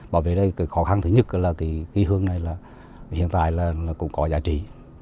bảo vệ khó khăn thứ nhất là cây hương này hiện tại cũng có giá trị